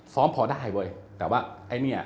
ส้อมพอได้เว้ย